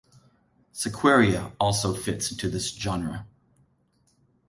Sequeira, also fits into this genre.